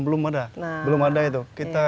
waktu dua ribu tujuh belum ada